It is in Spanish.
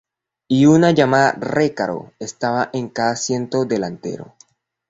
Y una llamada "Recaro" estaba en cada asiento delantero.